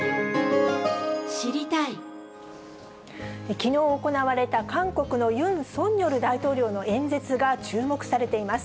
きのう行われた韓国のユン・ソンニョル大統領の演説が注目されています。